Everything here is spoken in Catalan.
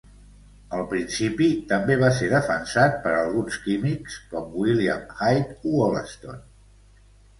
El principi també va ser defensat per alguns químics com William Hyde Wollaston.